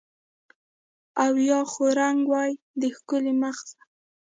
او یا خو رنګ وای د ښکلي مخ زه